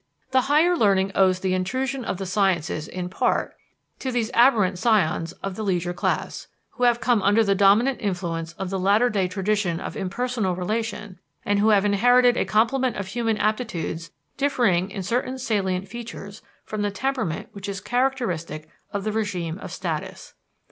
The higher learning owes the intrusion of the sciences in part to these aberrant scions of the leisure class, who have come under the dominant influence of the latter day tradition of impersonal relation and who have inherited a complement of human aptitudes differing in certain salient features from the temperament which is characteristic of the regime of status.